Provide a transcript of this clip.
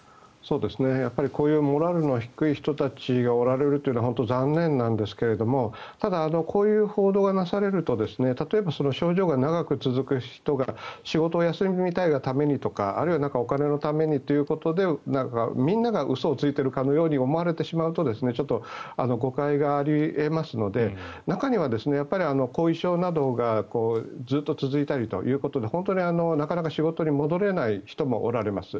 やっぱりこういうモラルの低い人たちがおられるというのは本当に残念なんですがただ、こういう報道がなされると例えば症状が長く続く人が仕事を休みたいがためにとかあるいはお金のためにということでみんなが嘘をついてるかのように思われてしまうと誤解があり得ますので中にはやっぱり後遺症などがずっと続いたりということで本当になかなか仕事に戻れない人もおられます。